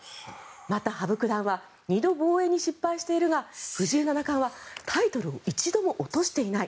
また、羽生九段は２度防衛に失敗しているが藤井七冠はタイトルを一度も落としていない。